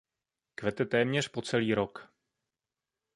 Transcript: Kvete téměř po celý rok.